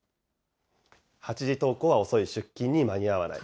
８時登校は遅い、出勤に間に合わない。